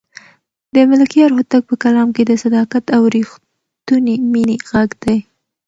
د ملکیار هوتک په کلام کې د صداقت او رښتونې مینې غږ دی.